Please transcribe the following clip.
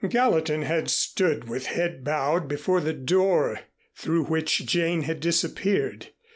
Gallatin had stood with head bowed before the door through which Jane had disappeared.